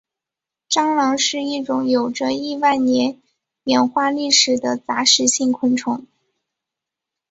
蟑螂是一种有着亿万年演化历史的杂食性昆虫。